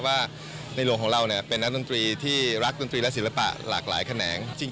ว่าในหลวงของเราเป็นนักดนตรีที่รักดนตรีและศิลปะหลากหลายแขนง